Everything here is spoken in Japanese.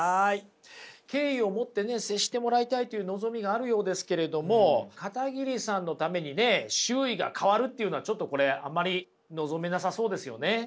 敬意を持ってね接してもらいたいという望みがあるようですけれども片桐さんのためにね周囲が変わるっていうのはちょっとこれあんまり望めなさそうですよね。